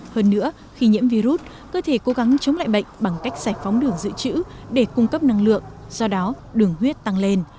hơn nữa khi nhiễm virus cơ thể cố gắng chống lại bệnh bằng cách sạch phóng đường dự trữ để cung cấp năng lượng do đó đường huyết tăng lên